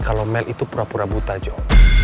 kalau mel itu pura pura buta joe